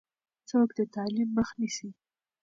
څوک د تعلیم مخه نیسي؟